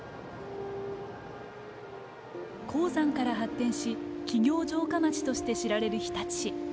鉱山から発展し企業城下町として知られる日立市。